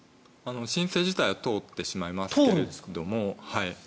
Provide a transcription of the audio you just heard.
申請自体は通ってしまいますけど。